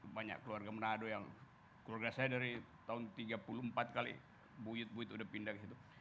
banyak keluarga menado yang keluarga saya dari tahun tiga puluh empat kali buyut buyut udah pindah ke situ